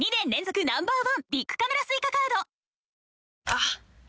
あっ！